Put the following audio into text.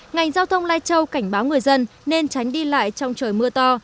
ngành giao thông lai châu cảnh báo người dân nên tránh đi lại trong trời mưa to